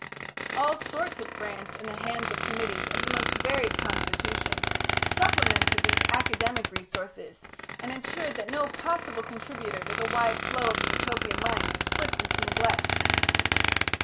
All sorts of grants in the hands of committees of the most varied constitution, supplemented these academic resources, and ensured that no possible contributor to the wide flow of the Utopian mind slipped into neglect.